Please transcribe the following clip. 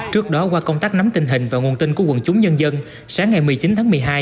trước đó qua công tác nắm tình hình và nguồn tin của quần chúng nhân dân sáng ngày một mươi chín tháng một mươi hai